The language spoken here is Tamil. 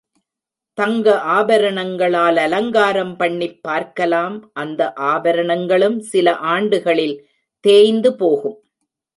தங்க ஆபரணங்களால் அலங்காரம் பண்ணிப் பார்க்கலாம் அந்த ஆபரணங்களும் சில ஆண்டுகளில் தேய்ந்து போகும்.